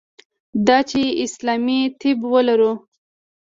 دا چې اسلامي طب ولرو.